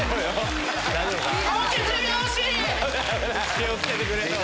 気を付けてくれよ。